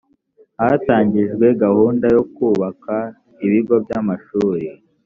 hatangijwe gahunda yo kubaka ibigo by’amashuli